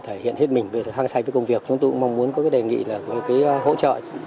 thể hiện hết mình hăng say với công việc chúng tôi cũng mong muốn có cái đề nghị là cái hỗ trợ